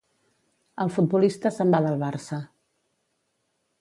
el futbolista se'n va del Barça